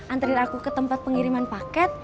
antri aku ke tempat pengiriman paket